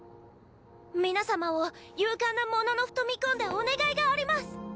皆様を勇敢なモノノフと見込んでお願いがありマス！